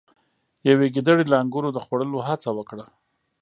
یوې ګیدړې له انګورو د خوړلو هڅه وکړه.